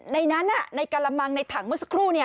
ในนั้นในกะละมังในถังเมื่อสักครู่